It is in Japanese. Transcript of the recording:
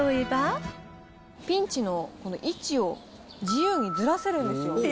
ピンチのこの位置を自由にずらせるんですよ。